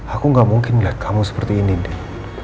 aku gak mungkin ngeliat kamu seperti ini din